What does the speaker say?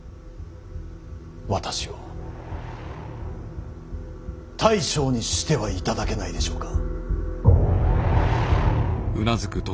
私を大将にしてはいただけないでしょうか。